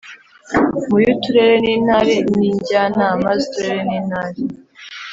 mu y’uturere n’intara ni njyanama z’uturere n’intara